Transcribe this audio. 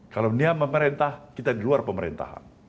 kalau dia memerintah kita di luar pemerintahan